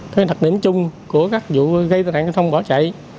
cái đặc điểm chung của các vụ gây tai nạn thông bỏ chạy